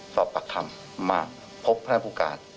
สอบปรักคำมาพบพระนักภูกา